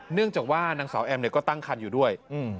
เนื่องจากว่านางสาวแอมก็ตั้งคันอยู่ด้วย